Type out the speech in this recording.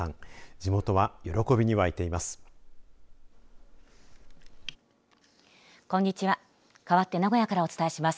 地元は喜びに、わいています。